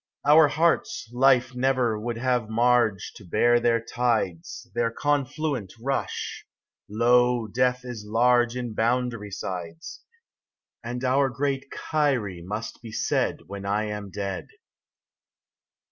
Our hearts — life never would have marge To bear their tides, Their confluent rush! Lo, death is large In boundary sides ; And our great x^*P^ must be said When I am dead.